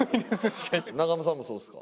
長濱さんもそうですか？